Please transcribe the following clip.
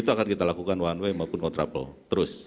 itu akan kita lakukan one way maupun kontraplow terus